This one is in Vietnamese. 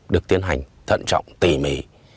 được tiến hành thận trọng tỉ mỉ